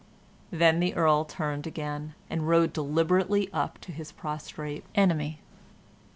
Then the Earl turned again, and rode deliberately up to his prostrate enemy.